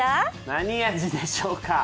何味でしょうか？